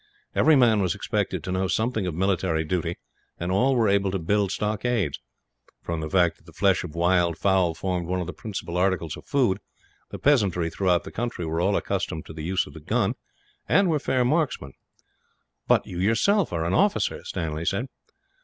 Every man was expected to know something of military duty, and all were able to build stockades. From the fact that the flesh of wild fowl formed one of the principal articles of food, the peasantry throughout the country were all accustomed to the use of the gun, and were fair marksmen. "But you yourself are an officer," Stanley said.